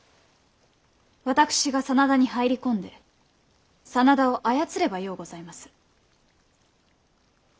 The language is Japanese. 私が真田に入り込んで真田を操ればようございます。